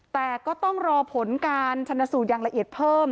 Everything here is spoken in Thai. แต่ก็ต้องรอผลการชนสูตรอย่างละเอียดเพิ่ม